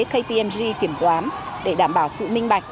kpmg kiểm toán để đảm bảo sự minh bạch